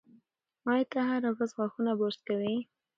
ایا ته هره ورځ غاښونه برس کوې؟